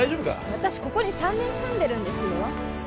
私ここに３年住んでるんですよ